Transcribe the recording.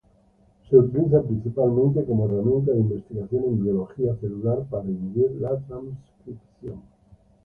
Se utiliza principalmente como herramienta de investigación en biología celular para inhibir la transcripción.